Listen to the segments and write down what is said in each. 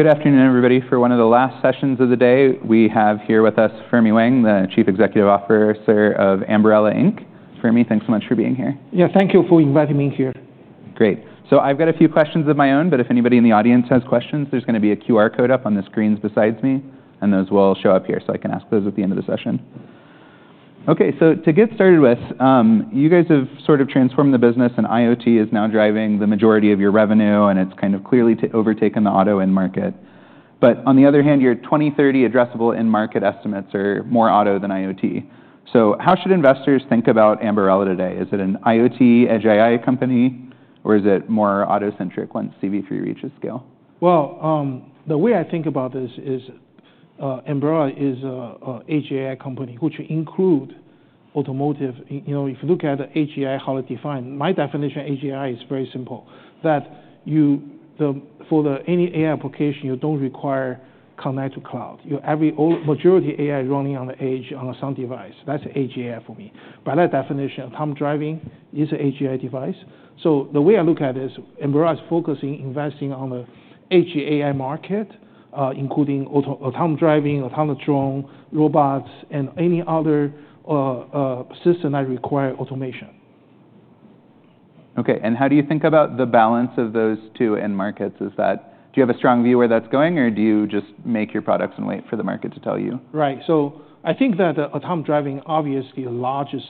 Good afternoon, everybody. For one of the last sessions of the day, we have here with us Fermi Wang, the Chief Executive Officer of Ambarella Inc. Fermi, thanks so much for being here. Yeah, thank you for inviting me here. Great. So I've got a few questions of my own, but if anybody in the audience has questions, there's going to be a QR code up on the screens besides me, and those will show up here so I can ask those at the end of the session. Okay, so to get started with, you guys have sort of transformed the business, and IoT is now driving the majority of your revenue, and it's kind of clearly overtaken the auto end market. But on the other hand, your 2030 addressable end market estimates are more auto than IoT. So how should investors think about Ambarella today? Is it an IoT, edge AI company, or is it more autocentric once CV3 reaches scale? The way I think about this is Ambarella is an edge AI company which includes automotive. If you look at the edge AI, how it's defined, my definition of edge AI is very simple. That for any AI application, you don't require connect to cloud. Majority of AI is running on the edge, on some device. That's edge AI for me. By that definition, autonomous driving is an edge AI device. So the way I look at it is Ambarella is focusing on investing in the edge AI market, including autonomous driving, autonomous drones, robots, and any other system that requires automation. Okay, and how do you think about the balance of those two end markets? Do you have a strong view where that's going, or do you just make your products and wait for the market to tell you? Right, so I think that autonomous driving is obviously the largest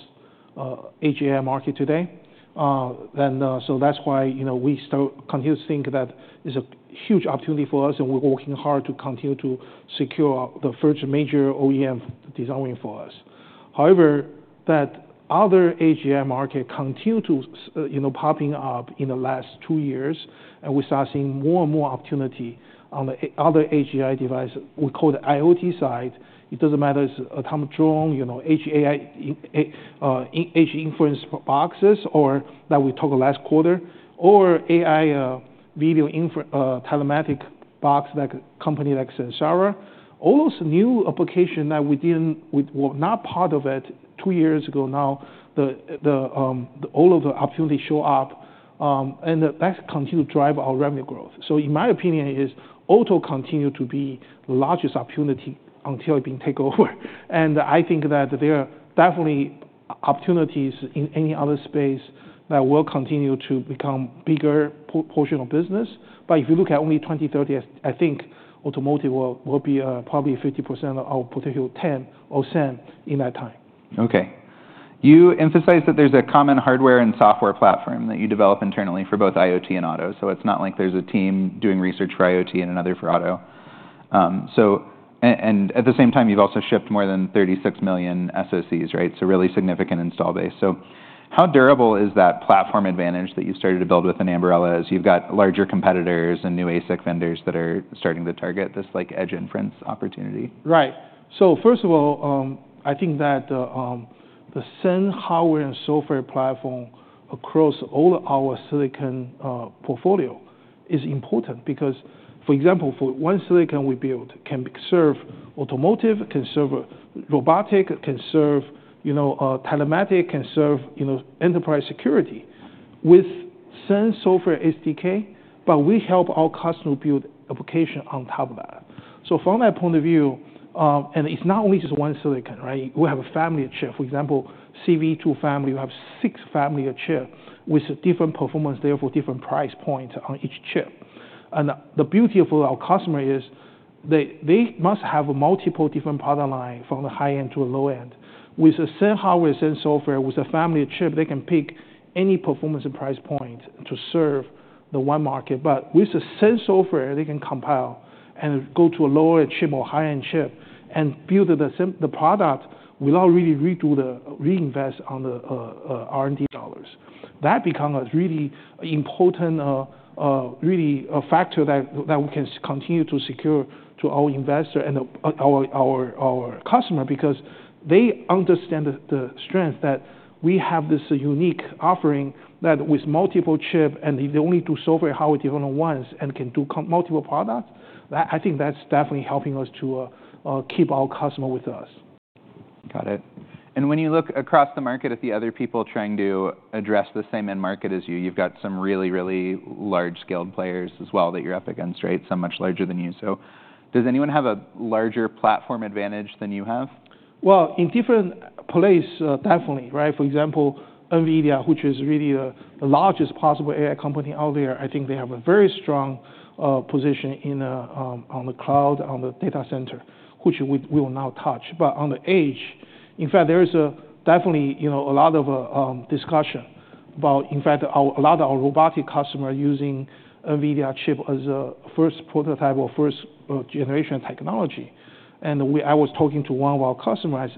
edge AI market today. So that's why we continue to think that it's a huge opportunity for us, and we're working hard to continue to secure the first major OEM design for us. However, that other edge AI market continues to be popping up in the last two years, and we start seeing more and more opportunity on the other edge AI device. We call the IoT side. It doesn't matter if it's autonomous drone, edge inference boxes, or that we talked last quarter, or AI video telematics box like a company like Samsara. All those new applications that were not part of it two years ago now, all of the opportunities show up, and that continues to drive our revenue growth. So in my opinion, auto continues to be the largest opportunity until it takes over. I think that there are definitely opportunities in any other space that will continue to become a bigger portion of business. If you look at only 2030, I think automotive will be probably 50% of our potential 10% in that time. Okay, you emphasize that there's a common hardware and software platform that you develop internally for both IoT and auto. So it's not like there's a team doing research for IoT and another for auto. And at the same time, you've also shipped more than 36 million SoCs, right? So really significant install base. So how durable is that platform advantage that you started to build within Ambarella as you've got larger competitors and new ASIC vendors that are starting to target this edge inference opportunity? Right, so first of all, I think that the CNN hardware and software platform across all our silicon portfolio is important because, for example, for one silicon we built can serve automotive, can serve robotics, can serve telematics, can serve enterprise security with CNN software SDK, but we help our customers build applications on top of that. So from that point of view, and it's not only just one silicon, right? We have a family of chips. For example, CV2 family, we have six families of chips with different performance there for different price points on each chip. And the beauty for our customers is they must have multiple different product lines from the high end to the low end. With the CNN hardware and CNN software, with a family of chips, they can pick any performance and price point to serve the one market. But with the CNN software, they can compile and go to a lower chip or high-end chip and build the product without really reinvesting on the R&D dollars. That becomes a really important factor that we can continue to secure to our investors and our customers because they understand the strength that we have this unique offering that with multiple chips and they only do software hardware development once and can do multiple products. I think that's definitely helping us to keep our customers with us. Got it. And when you look across the market at the other people trying to address the same end market as you, you've got some really, really large-scaled players as well that you're up against, right? Some much larger than you. So does anyone have a larger platform advantage than you have? In different places, definitely, right? For example, NVIDIA, which is really the largest possible AI company out there. I think they have a very strong position on the cloud, on the data center, which we will not touch. But on the edge, in fact, there is definitely a lot of discussion about, in fact, a lot of our robotic customers using NVIDIA chips as a first prototype or first generation technology. And I was talking to one of our customers.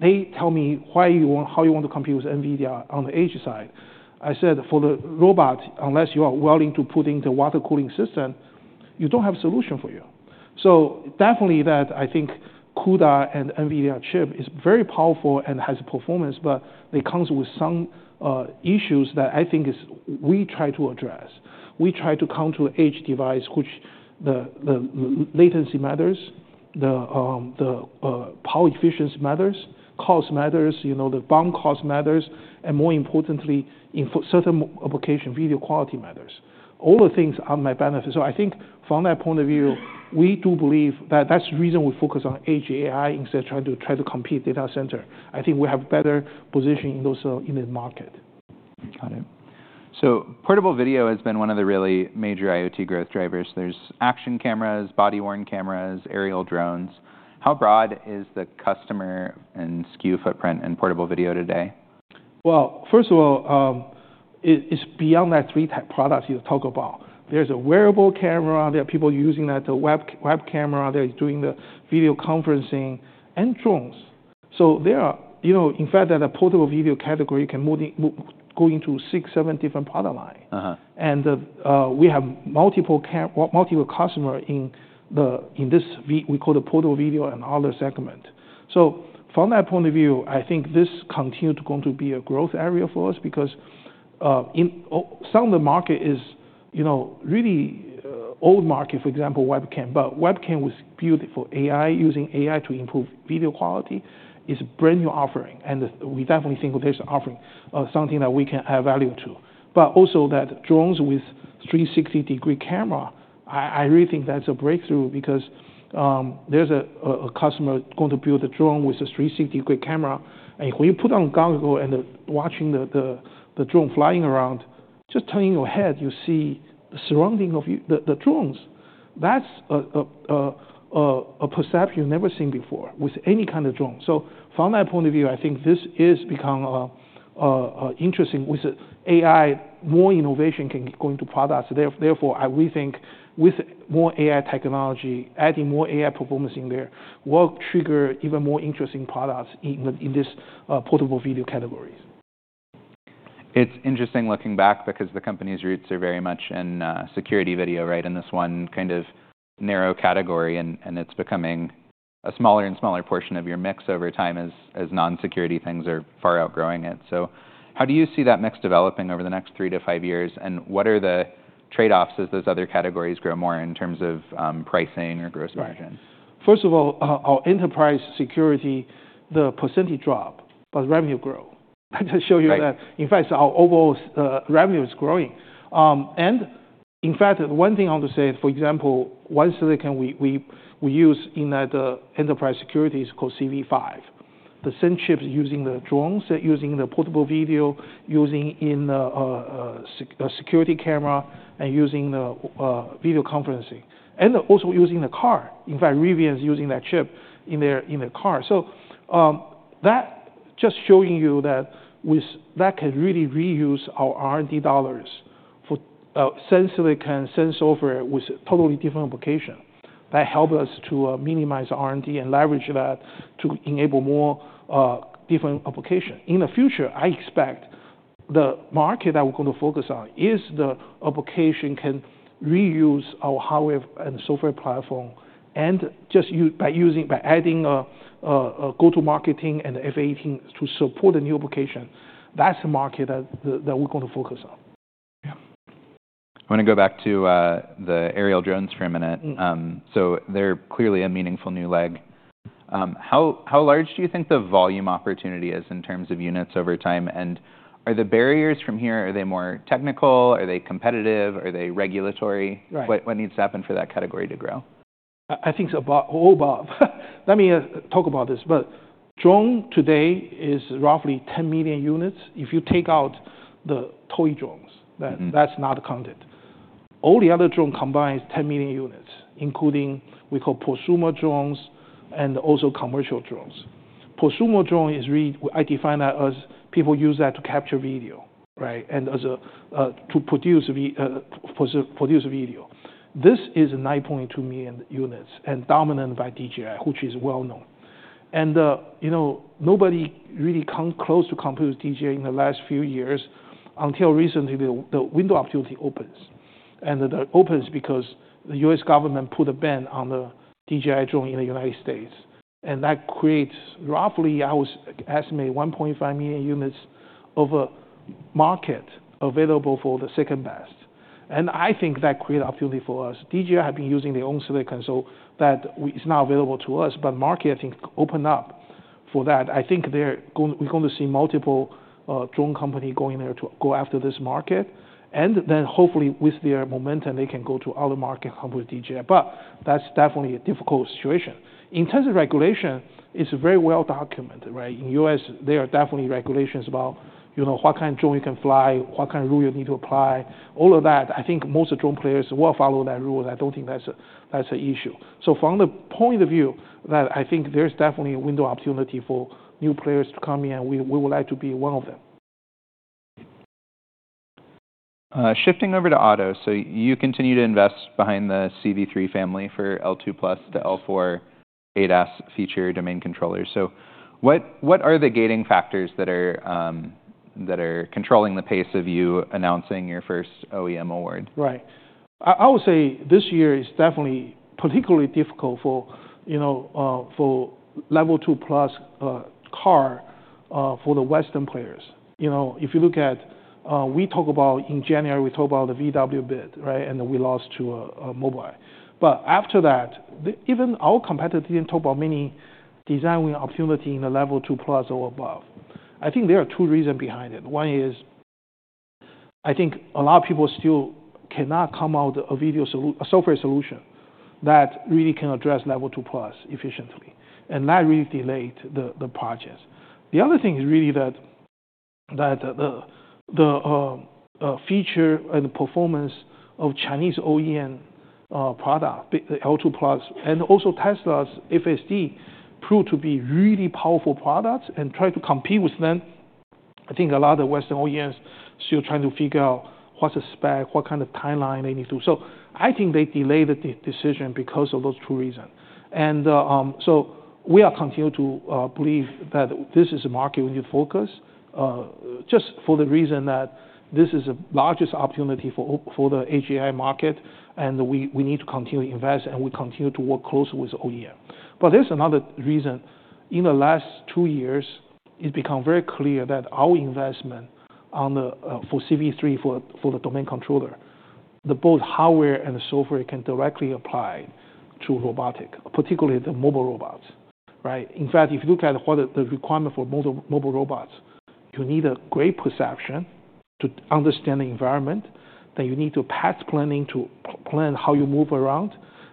They told me, how do you want to compete with NVIDIA on the edge side? I said, for the robot, unless you are willing to put in the water cooling system, you don't have a solution for you. Definitely that, I think, CUDA and NVIDIA chips are very powerful and have performance, but they come with some issues that I think we try to address. We try to come to the edge device, which the latency matters, the power efficiency matters, cost matters, the bond cost matters, and more importantly, in certain applications, video quality matters. All the things are my benefit. So I think from that point of view, we do believe that that's the reason we focus on edge AI instead of trying to compete with data centers. I think we have a better position in the market. Got it. So portable video has been one of the really major IoT growth drivers. There's action cameras, body-worn cameras, aerial drones. How broad is the customer and SKU footprint in portable video today? First of all, it's beyond those three products you talk about. There's a wearable camera. There are people using that, the web camera. There's the video conferencing and drones. So in fact, that portable video category can go into six, seven different product lines. And we have multiple customers in this we call the portable video and other segment. So from that point of view, I think this continues to be a growth area for us because some of the market is really old market, for example, webcam. But webcam was built for AI, using AI to improve video quality. It's a brand new offering, and we definitely think there's an offering, something that we can add value to. But also those drones with 360-degree camera, I really think that's a breakthrough because there's a customer going to build a drone with a 360-degree camera. And when you put on a goggles and watch the drone flying around, just turning your head, you see the surrounding of the drones. That's a perception you've never seen before with any kind of drone. So from that point of view, I think this has become interesting with AI, more innovation going to products. Therefore, we think with more AI technology, adding more AI performance in there, will trigger even more interesting products in this portable video category. It's interesting looking back because the company's roots are very much in security video, right? And this one kind of narrow category, and it's becoming a smaller and smaller portion of your mix over time as non-security things are far outgrowing it. So how do you see that mix developing over the next three to five years, and what are the trade-offs as those other categories grow more in terms of pricing or gross margin? Right. First of all, our enterprise security, the percentage drops, but revenue grows. I just show you that. In fact, our overall revenue is growing. And in fact, one thing I want to say, for example, one silicon we use in that enterprise security is called CV5. The same chips using the drones, using the portable video, using the security camera, and using the video conferencing, and also using the car. In fact, Rivian is using that chip in their car. So that just showing you that that can really reuse our R&D dollars for same silicon, same software with totally different applications. That helps us to minimize R&D and leverage that to enable more different applications. In the future, I expect the market that we're going to focus on is the application that can reuse our hardware and software platform and just by adding go-to-market and FAE teams to support the new applications. That's the market that we're going to focus on. Yeah. I want to go back to the aerial drones for a minute. So they're clearly a meaningful new leg. How large do you think the volume opportunity is in terms of units over time? And are the barriers from here, are they more technical? Are they competitive? Are they regulatory? What needs to happen for that category to grow? I think it's above, all above. Let me talk about this, but drone today is roughly 10 million units. If you take out the toy drones, that's not counted. All the other drones combine 10 million units, including we call prosumer drones and also commercial drones. Prosumer drone is really. I define that as people use that to capture video, right, and to produce video. This is 9.2 million units and dominated by DJI, which is well known, and nobody really comes close to compete with DJI in the last few years until recently the window of opportunity opens, and it opens because the U.S. government put a ban on the DJI drone in the United States, and that creates roughly. I would estimate 1.5 million units of a market available for the second best, and I think that creates opportunity for us. DJI have been using their own silicon, so that is now available to us. But the market, I think, opened up for that. I think we're going to see multiple drone companies going there to go after this market. And then hopefully, with their momentum, they can go to other markets and compete with DJI. But that's definitely a difficult situation. In terms of regulation, it's very well documented, right? In the U.S., there are definitely regulations about what kind of drone you can fly, what kind of rules you need to apply, all of that. I think most of the drone players will follow that rule. I don't think that's an issue, so from the point of view that I think there's definitely a window of opportunity for new players to come in, and we would like to be one of them. Shifting over to auto. So you continue to invest behind the CV3 family for L2+ to L4 ADAS feature domain controllers. So what are the gating factors that are controlling the pace of you announcing your first OEM award? Right. I would say this year is definitely particularly difficult for level two plus cars for the Western players. If you look at, we talked about in January, we talked about the VW bid, right? And we lost to Mobileye. But after that, even our competitors didn't talk about many design opportunities in the level two plus or above. I think there are two reasons behind it. One is I think a lot of people still cannot come out with a software solution that really can address level two plus efficiently. And that really delayed the projects. The other thing is really that the features and performance of Chinese OEM products, L2 plus and also Tesla's FSD, proved to be really powerful products and tried to compete with them. I think a lot of Western OEMs are still trying to figure out what's the spec, what kind of timeline they need to. So I think they delayed the decision because of those two reasons, and so we continue to believe that this is a market we need to focus on just for the reason that this is the largest opportunity for the AGI market, and we need to continue to invest, and we continue to work closely with OEM. But there's another reason. In the last two years, it's become very clear that our investment for CV3 for the domain controller, both hardware and software, can directly apply to robotics, particularly the mobile robots, right? In fact, if you look at what are the requirements for mobile robots, you need a great perception to understand the environment. Then you need to have path planning to plan how you move around.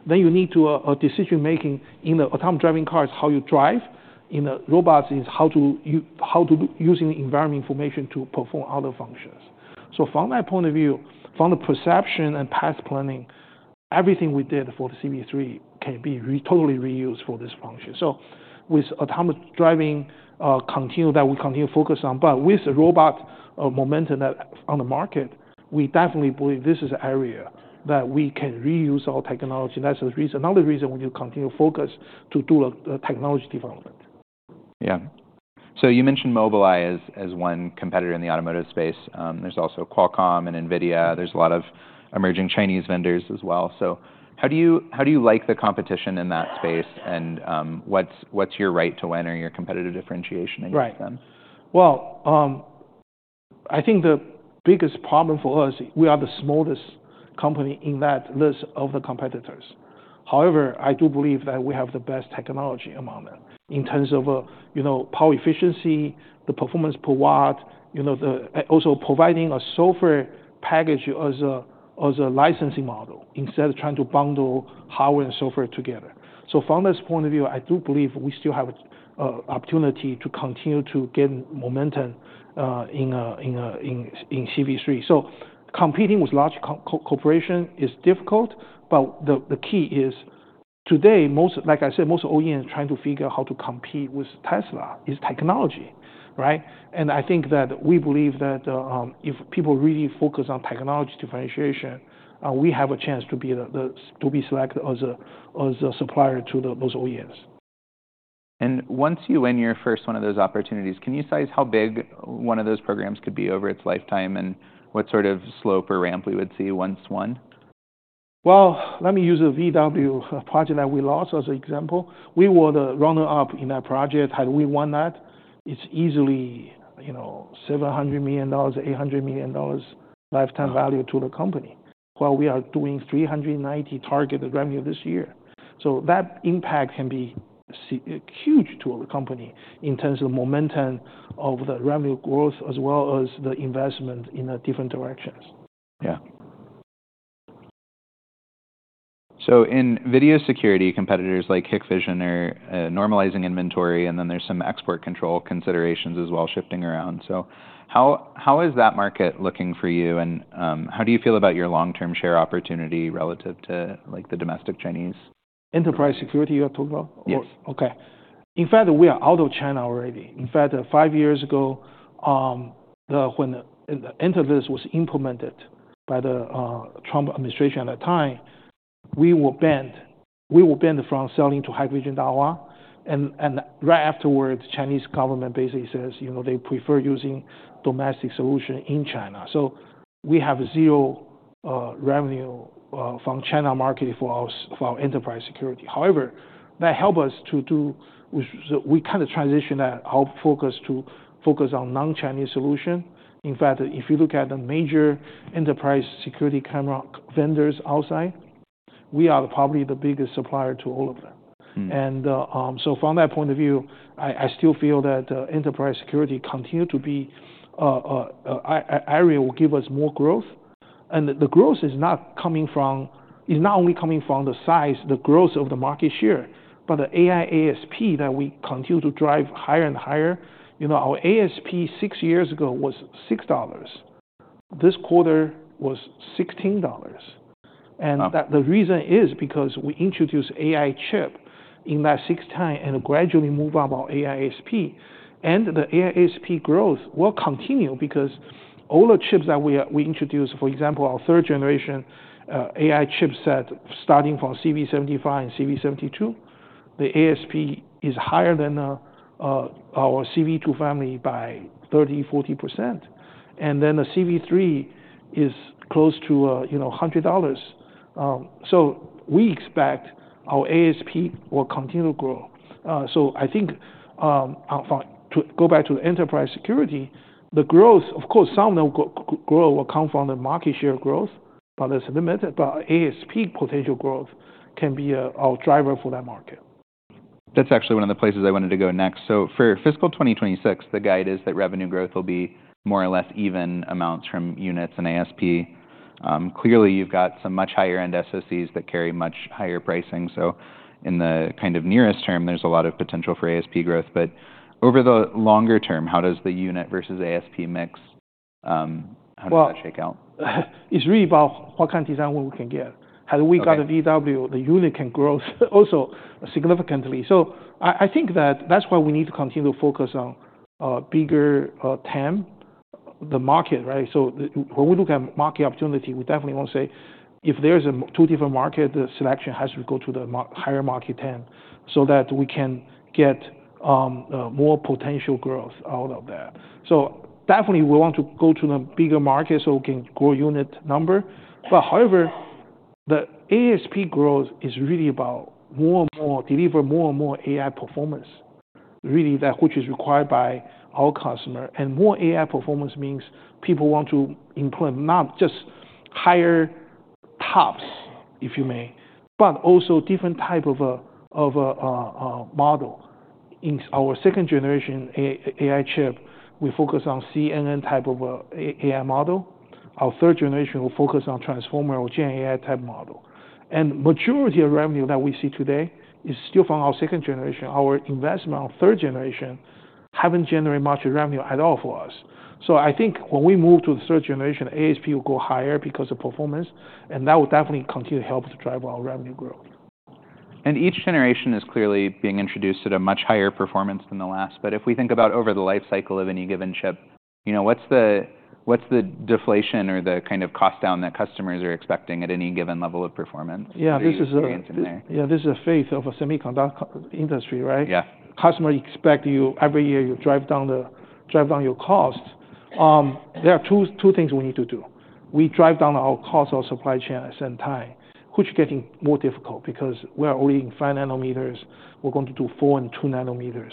Then you need to have decision-making in the autonomous driving cars, how you drive. In the robots, it's how to use the environment information to perform other functions. So from that point of view, from the perception and path planning, everything we did for the CV3 can be totally reused for this function. So with autonomous driving, that we continue to focus on. But with the robot momentum on the market, we definitely believe this is an area that we can reuse our technology. That's another reason we continue to focus on technology development. Yeah. So you mentioned Mobileye as one competitor in the automotive space. There's also Qualcomm and NVIDIA. There's a lot of emerging Chinese vendors as well. So how do you like the competition in that space? And what's your right to win or your competitive differentiation against them? Right. Well, I think the biggest problem for us, we are the smallest company in that list of the competitors. However, I do believe that we have the best technology among them in terms of power efficiency, the performance per watt, also providing a software package as a licensing model instead of trying to bundle hardware and software together. So from this point of view, I do believe we still have an opportunity to continue to gain momentum in CV3. So competing with large corporations is difficult. But the key is today, like I said, most OEMs are trying to figure out how to compete with Tesla's technology, right? And I think that we believe that if people really focus on technology differentiation, we have a chance to be selected as a supplier to those OEMs. And once you win your first one of those opportunities, can you size how big one of those programs could be over its lifetime and what sort of slope or ramp we would see once won? Let me use a VW project that we lost as an example. We were the runner-up in that project. Had we won that, it's easily $700 million-$800 million lifetime value to the company. While we are doing $390 million targeted revenue this year. So that impact can be huge to our company in terms of the momentum of the revenue growth as well as the investment in different directions. Yeah. So in video security, competitors like Hikvision are normalizing inventory, and then there's some export control considerations as well shifting around. So how is that market looking for you? And how do you feel about your long-term share opportunity relative to the domestic Chinese? Enterprise security, you are talking about? Yes. OK. In fact, we are out of China already. In fact, five years ago, when the Entity List was implemented by the Trump administration at that time, we were banned from selling to Hikvision and Dahua. Right afterwards, the Chinese government basically says they prefer using domestic solutions in China. So we have zero revenue from the China market for our enterprise security. However, that helped us. We kind of transitioned our focus to focus on non-Chinese solutions. In fact, if you look at the major enterprise security camera vendors outside, we are probably the biggest supplier to all of them. So from that point of view, I still feel that enterprise security continues to be an area that will give us more growth. The growth is not coming from. It's not only coming from the size, the growth of the market share, but the AI ASP that we continue to drive higher and higher. Our ASP six years ago was $6. This quarter was $16. And the reason is because we introduced AI chips in that sixth time and gradually moved up our AI ASP. And the AI ASP growth will continue because all the chips that we introduced, for example, our third-generation AI chipset starting from CV75 and CV72, the ASP is higher than our CV2 family by 30%, 40%. And then the CV3 is close to $100. So we expect our ASP will continue to grow. I think to go back to enterprise security, the growth, of course, some of the growth will come from the market share growth, but that's limited. But ASP potential growth can be our driver for that market. That's actually one of the places I wanted to go next. So for fiscal 2026, the guide is that revenue growth will be more or less even amounts from units and ASP. Clearly, you've got some much higher-end SoCs that carry much higher pricing. So in the kind of nearest term, there's a lot of potential for ASP growth. But over the longer term, how does the unit versus ASP mix? How does that shake out? It's really about what kind of design we can get. Had we got a VW, the unit can grow also significantly. So I think that that's why we need to continue to focus on bigger TEM, the market, right? So when we look at market opportunity, we definitely want to say if there's two different markets, the selection has to go to the higher market TEM so that we can get more potential growth out of that. So definitely, we want to go to the bigger market so we can grow unit number. But however, the ASP growth is really about more and more deliver more and more AI performance, really, which is required by our customers. And more AI performance means people want to implement not just higher TOPS, if you may, but also different types of model. In our second-generation AI chip, we focus on CNN type of AI model. Our third generation will focus on transformer or Gen AI type model. And the majority of revenue that we see today is still from our second generation. Our investment on third generation hasn't generated much revenue at all for us. So I think when we move to the third generation, the ASP will go higher because of performance. And that will definitely continue to help to drive our revenue growth. And each generation is clearly being introduced at a much higher performance than the last. But if we think about over the life cycle of any given chip, what's the deflation or the kind of cost down that customers are expecting at any given level of performance? Yeah, this is a. Yeah, there's the fate of the semiconductor industry, right? Yeah. Customers expect you every year you drive down your cost. There are two things we need to do. We drive down our cost of our supply chain at the same time, which is getting more difficult because we're already in five nanometers. We're going to do four and two nanometers.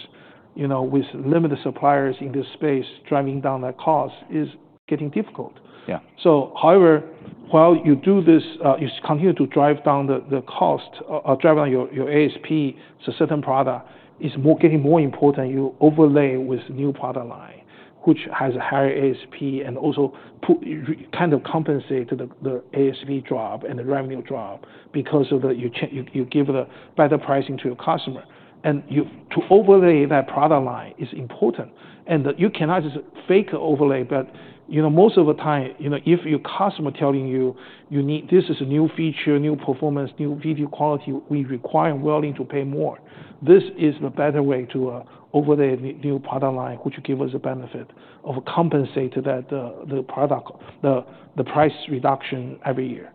With limited suppliers in this space, driving down that cost is getting difficult. Yeah. So, however, while you do this, you continue to drive down the cost, drive down your ASP to a certain product. It's getting more important. You overlay with a new product line, which has a higher ASP and also kind of compensates the ASP drop and the revenue drop because you give the better pricing to your customer. And to overlay that product line is important. And you cannot just fake an overlay. But most of the time, if your customer is telling you, "This is a new feature, new performance, new video quality, we're willing to pay more," this is the better way to overlay a new product line, which gives us a benefit of compensating the price reduction every year.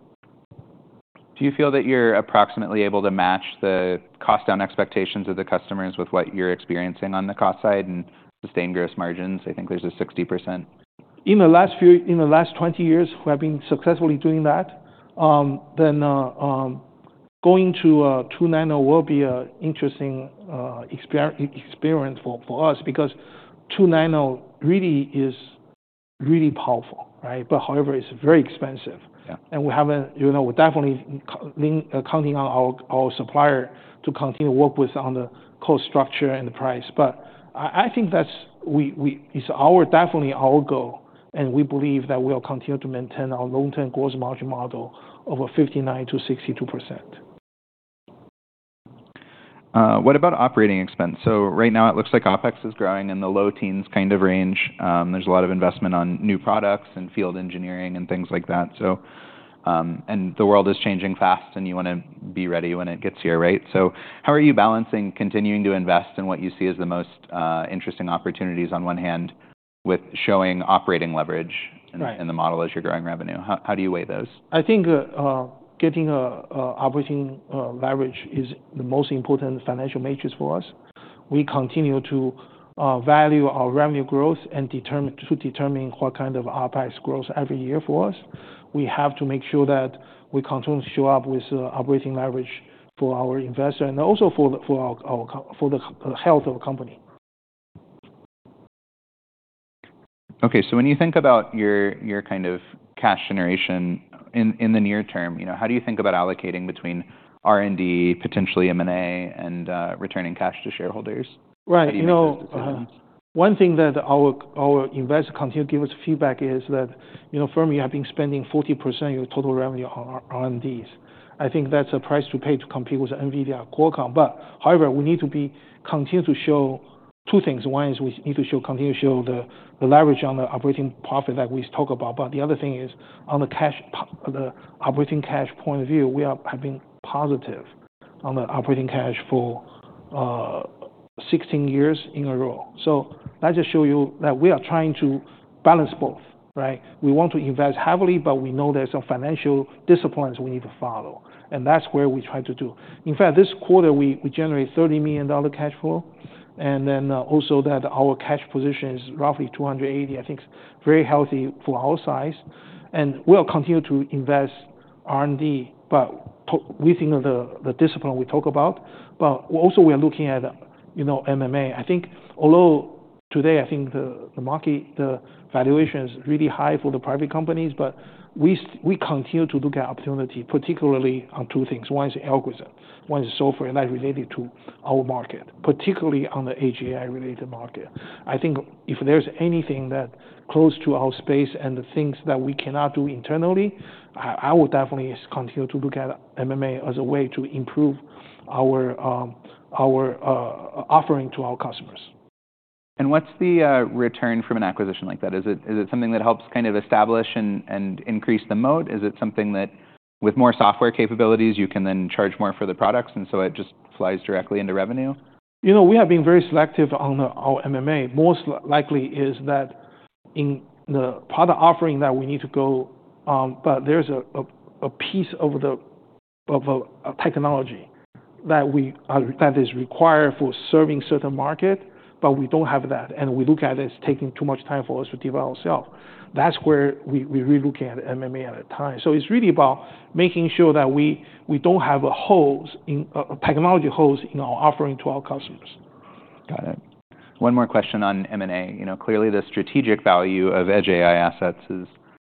Do you feel that you're approximately able to match the cost down expectations of the customers with what you're experiencing on the cost side and sustained gross margins? I think there's a 60%. In the last 20 years, we have been successfully doing that. Then going to two nine o will be an interesting experience for us because two nine o really is powerful, right? But however, it's very expensive. And we're definitely counting on our supplier to continue to work with on the cost structure and the price. But I think that is definitely our goal. And we believe that we will continue to maintain our long-term gross margin model of 59%-62%. What about operating expense? So right now, it looks like OpEx is growing in the low teens kind of range. There's a lot of investment on new products and field engineering and things like that. And the world is changing fast, and you want to be ready when it gets here, right? So how are you balancing continuing to invest in what you see as the most interesting opportunities on one hand with showing operating leverage in the model as you're growing revenue? How do you weigh those? I think getting operating leverage is the most important financial metric for us. We continue to value our revenue growth and to determine what kind of OpEx grows every year for us. We have to make sure that we continue to show up with operating leverage for our investors and also for the health of the company. Okay. So when you think about your kind of cash generation in the near term, how do you think about allocating between R&D, potentially M&A, and returning cash to shareholders? Right. One thing that our investors continue to give us feedback is that, "Fermi, you have been spending 40% of your total revenue on R&Ds." I think that's a price to pay to compete with NVIDIA, Qualcomm. But however, we need to continue to show two things. One is we need to continue to show the leverage on the operating profit that we talk about. But the other thing is on the operating cash point of view, we have been positive on the operating cash for 16 years in a row. So that just shows you that we are trying to balance both, right? We want to invest heavily, but we know there are some financial disciplines we need to follow. And that's what we try to do. In fact, this quarter, we generated $30 million cash flow. And then also that our cash position is roughly $280 million. I think it's very healthy for our size. And we'll continue to invest R&D. But we think of the discipline we talk about. But also, we are looking at M&A. I think although today, I think the market valuation is really high for the private companies, but we continue to look at opportunity, particularly on two things. One is algorithm. One is software that's related to our market, particularly on the AGI-related market. I think if there's anything that's close to our space and the things that we cannot do internally, I will definitely continue to look at M&A as a way to improve our offering to our customers. And what's the return from an acquisition like that? Is it something that helps kind of establish and increase the moat? Is it something that with more software capabilities, you can then charge more for the products? And so it just flies directly into revenue? You know, we have been very selective on our M&A. Most likely is that in the product offering that we need to go, but there's a piece of a technology that is required for serving a certain market, but we don't have that. And we look at it as taking too much time for us to develop ourselves. That's where we really look at M&A at a time. So it's really about making sure that we don't have a technology hole in our offering to our customers. Got it. One more question on M&A. Clearly, the strategic value of edge AI assets is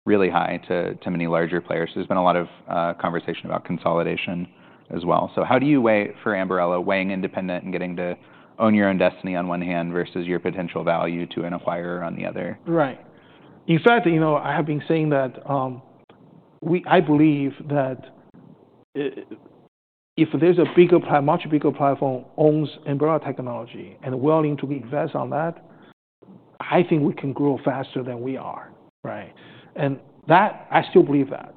really high to many larger players. There's been a lot of conversation about consolidation as well. So how do you weigh for Ambarella, weighing independent and getting to own your own destiny on one hand versus your potential value to an acquirer on the other? Right. In fact, I have been saying that I believe that if there's a much bigger platform that owns Ambarella technology and willing to invest on that, I think we can grow faster than we are, right? And I still believe that.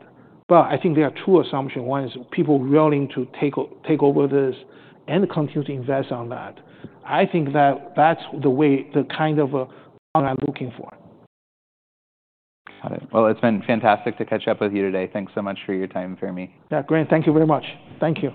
But I think there are two assumptions. One is people willing to take over this and continue to invest on that. I think that that's the kind of one I'm looking for. Got it. Well, it's been fantastic to catch up with you today. Thanks so much for your time, Fermi. Yeah, great. Thank you very much. Thank you.